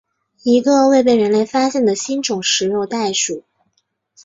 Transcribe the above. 一个未被人类发现的新种食肉袋鼠。